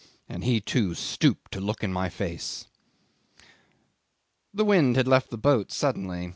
And he too stooped to look at my face." 'The wind had left the boat suddenly.